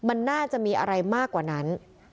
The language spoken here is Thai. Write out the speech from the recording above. มันน่าจะมีอะไรมากกว่านั้น